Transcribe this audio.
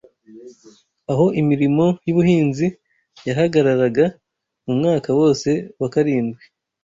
aho imirimo y’ubuhinzi yahagararaga mu mwaka wose wa karindwi